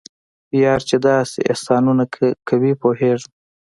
یار چې داسې احسانونه کوي پوهیږم.